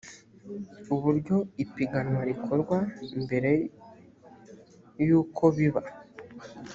uburyo ipiganwa rikorwa mbere y ukobiba